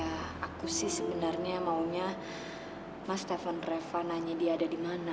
mas aku sih sebenarnya maunya mas telfon reva nanya dia ada dimana